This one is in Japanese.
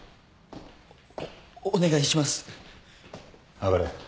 上がれ。